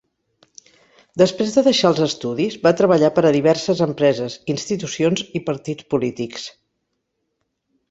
Després de deixar els estudis, va treballar per a diverses empreses, institucions i partits polítics.